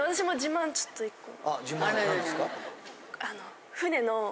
あの船の。